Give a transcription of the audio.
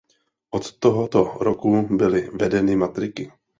Od tohoto roku byly vedeny matriky.